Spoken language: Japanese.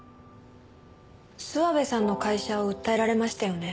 諏訪部さんの会社を訴えられましたよね？